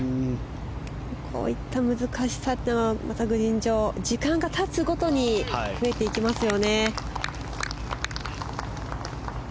こういった難しさもまたグリーン上時間が経つごとに増えていきますよね。